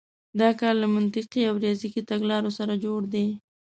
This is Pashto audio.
دا کار له منطقي او ریاضیکي تګلارو سره جوړ دی.